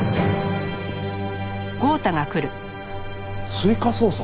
追加捜査？